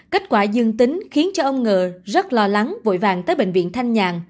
kết quả dương tính khiến cho ông ng rất lo lắng vội vàng tới bệnh viện thanh nhàng